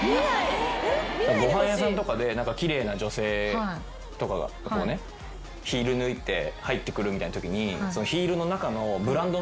ご飯屋さんで奇麗な女性とかがヒール脱いで入ってくるみたいなときに。